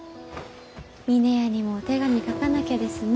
峰屋にもお手紙書かなきゃですね。